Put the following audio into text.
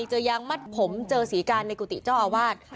เจอยางมัดผมเจอศรีการในกุฏิเจ้าอาวาส